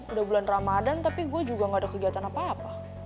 udah bulan ramadhan tapi gue juga gak ada kegiatan apa apa